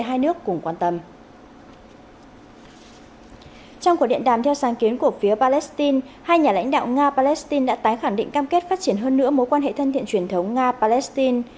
hai nhà lãnh đạo nga palestine đã tái khẳng định cam kết phát triển hơn nữa mối quan hệ thân thiện truyền thống nga palestine